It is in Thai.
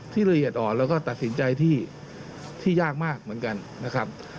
ละเอียดอ่อนแล้วก็ตัดสินใจที่ยากมากเหมือนกันนะครับ